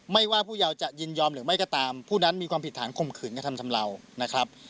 ว่าผู้เยาจะยินยอมหรือไม่ก็ตามผู้นั้นมีความผิดฐานข่มขืนกระทำชำเลานะครับ